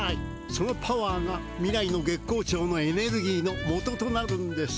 そのパワーが未来の月光町のエネルギーのもととなるんです。